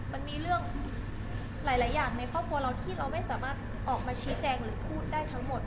มันมีเรื่องหลายอย่างในครอบครัวเราที่เราไม่สามารถออกมาชี้แจงหรือพูดได้ทั้งหมด